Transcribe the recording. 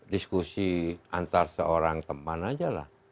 diskusi antar seorang teman aja lah